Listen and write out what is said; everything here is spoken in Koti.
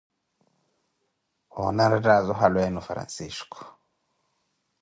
Woone anrettaazo halu enu Francisco.